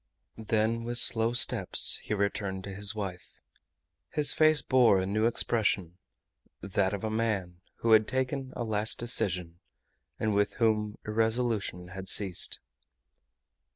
Then with slow steps he returned to his wife. His face bore a new expression, that of a man who had taken a last decision, and with whom irresolution had ceased.